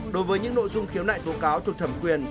đối với những nội dung khiếu nại tố cáo thuộc thẩm quyền